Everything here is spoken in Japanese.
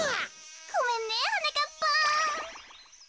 ごめんねはなかっぱん。